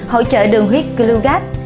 hỗ trợ đường huyết glugas